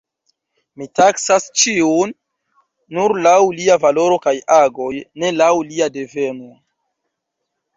Mi taksas ĉiun nur laŭ lia valoro kaj agoj, ne laŭ lia deveno.